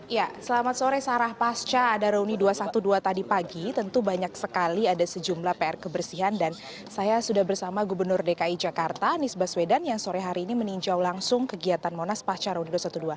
ya selamat sore sarah pasca ada reuni dua ratus dua belas tadi pagi tentu banyak sekali ada sejumlah pr kebersihan dan saya sudah bersama gubernur dki jakarta anies baswedan yang sore hari ini meninjau langsung kegiatan monas pasca reuni dua ratus dua belas